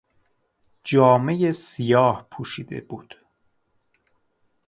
جامهی سیاه پوشیده بود.